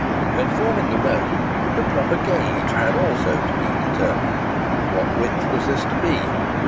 When forming the road, the proper gauge had also to be determined. What width was this to be?